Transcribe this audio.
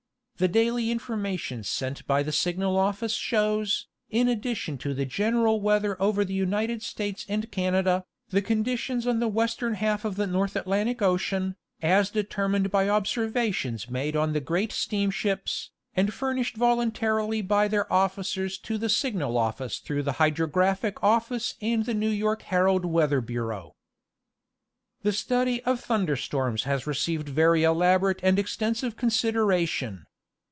The daily information sent by the Signal Office shows, in addition to the general weather over the United States and Canada, the conditions on the western half of the North Atlantic ocean, as determined by observations made on the great steamships, and furnished voluntarily by their officers to the Signal Office through the Hydrographic Office and the New York Herald weather bureau. The study of thunder storms has received very elaborate and extensive consideration.